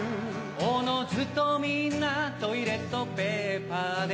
おのずとみんなトイレットペーパーで